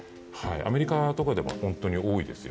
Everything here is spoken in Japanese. アメリカとかでも本当に多いですよ。